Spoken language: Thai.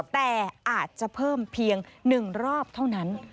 แต่อาจจะเพิ่มเพียง๑รอบเท่านั้น